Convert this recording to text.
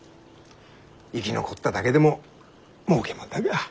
生き残っただけでももうけもんだが。